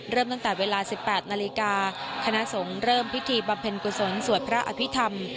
เริ่มตั้งแต่เวลา๑๘นาฬิกาคณะสงฆ์เริ่มพิธีบำเพ็ญกุศลสวดพระอภิษฐรรม